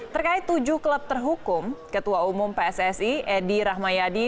terkait tujuh klub terhukum ketua umum pssi edi rahmayadi